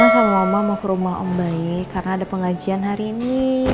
sama mama mau ke rumah om bayi karena ada pengajian hari ini